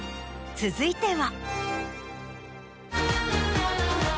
続いては。